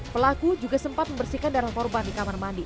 pelaku juga sempat membersihkan darah korban di kamar mandi